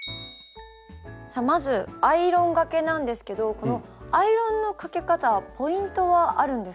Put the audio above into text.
さあまずアイロンがけなんですけどこのアイロンのかけ方ポイントはあるんですか？